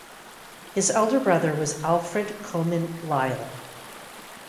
His elder brother was Alfred Comyn Lyall.